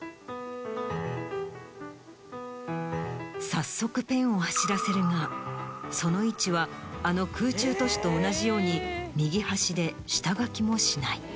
早速ペンを走らせるがその位置はあの空中都市と同じように右端で。